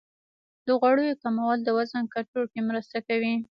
د غوړیو کمول د وزن کنټرول کې مرسته کوي.